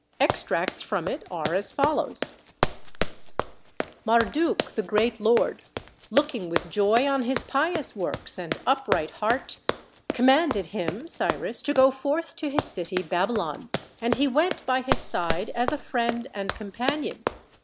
Extracts from it are as follows: Marduk, the great lord, looking with joy on his pious works and upright heart, commanded him [Cyrus] to go forth to his city Babylon, and he went by his side as a friend and companion.